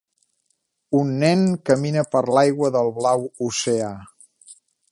Un nen camina per l'aigua del blau oceà.